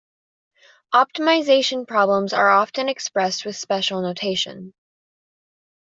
Optimization problems are often expressed with special notation.